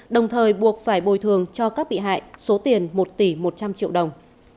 đồng thời buộc phải bồi thường cho các bị hại số tiền một tỷ một trăm linh triệu đồng